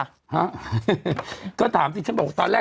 ฮะก็ถามสิฉันบอกตอนแรก